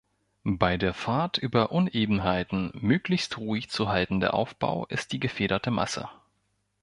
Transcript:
Der bei Fahrt über Unebenheiten möglichst ruhig zu haltende Aufbau ist die gefederte Masse.